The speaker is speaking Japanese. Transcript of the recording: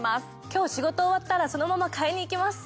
今日仕事終わったらそのまま買いに行きます。